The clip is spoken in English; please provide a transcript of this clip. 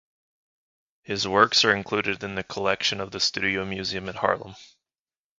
His works are included in the collection of the Studio Museum in Harlem.